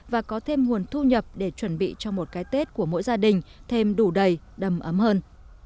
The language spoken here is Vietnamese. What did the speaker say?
và có thêm nguồn thu nhập để chuẩn bị cho một cái tết của mỗi gia đình thêm đủ đầy đầm ấm hơn